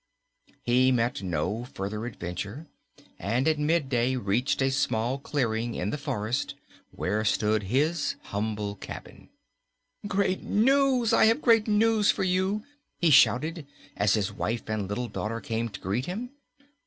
He met no further adventure and at midday reached a little clearing in the forest where stood his humble cabin. "Great news! I have great news for you," he shouted, as his wife and little daughter came to greet him.